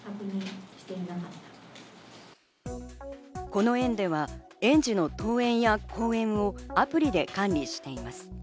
この園では園児の登園や降園をアプリで管理しています。